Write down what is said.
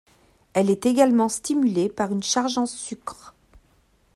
Elle est également stimulée par une charge en sucre.